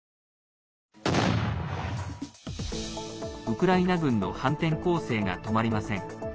ウクライナ軍の反転攻勢が止まりません。